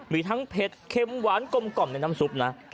มีทั้งเผ็ดเค็มหวานกลมในน้ำซุปนะ